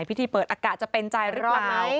พิธีเปิดอากาศจะเป็นใจหรือเปล่า